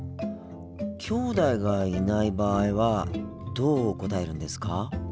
きょうだいがいない場合はどう答えるんですか？